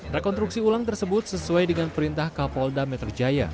rekonstruksi ulang tersebut sesuai dengan perintah kapolda metro jaya